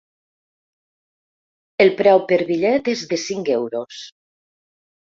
El preu per bitllet és de cinc euros.